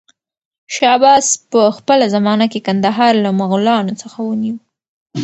شاه عباس په خپله زمانه کې کندهار له مغلانو څخه ونيو.